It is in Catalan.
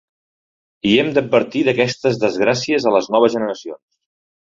I hem d'advertir d'aquestes desgràcies a les noves generacions.